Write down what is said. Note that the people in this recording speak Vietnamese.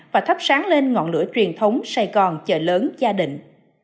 và thắp sáng lên ngọn lửa truyền thống sài gòn chợ lớn gia đình